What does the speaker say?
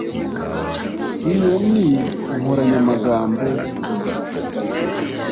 iyo ni inkoranyamagambo yanjye